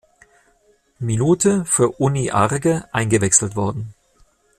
Minute für Uni Arge eingewechselt wurde.